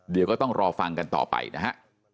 เดี๋ยวก็ต้องรอฟังกันต่อไปนะฮะ